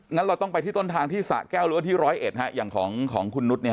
งั้นเราต้องไปที่ต้นทางที่สะแก้วหรือว่าที่ร้อยเอ็ดฮะอย่างของคุณนุษย์เนี่ย